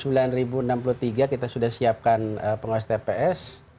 kemudian juga kita menyiapkan pengawasan tps